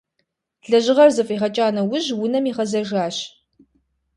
Лэжьыгъэр зэфӏигъэкӏа нэужь унэм игъэзэжащ.